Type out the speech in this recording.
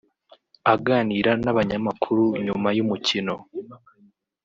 Aganira n’abanyamakuru nyuma y’umukino